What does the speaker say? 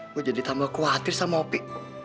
gue jadi tambah khawatir sama opi